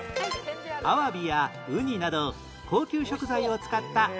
アワビやウニなど高級食材を使った郷土料理